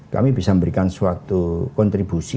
kami bisa memberikan suatu kontribusi